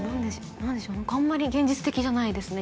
何でしょうあんまり現実的じゃないですね